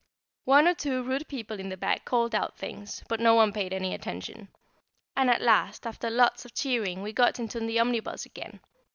One or two rude people in the back called out things, but no one paid any attention; and at last, after lots of cheering, we got into the omnibus again.